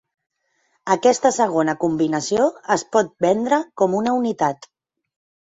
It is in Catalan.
Aquesta segona combinació es pot vendre com una unitat.